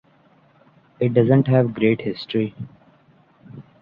It doesn’t have great history.